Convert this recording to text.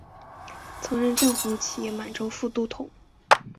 曾任正红旗满洲副都统。